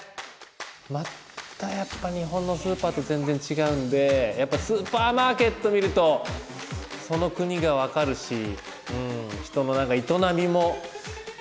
またやっぱ日本のスーパーと全然違うんでやっぱスーパーマーケット見るとその国が分かるし人の営みも結構分かる感じがして。